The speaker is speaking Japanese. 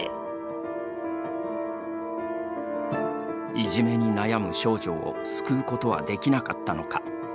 いじめに悩む少女を救うことはできなかったのか。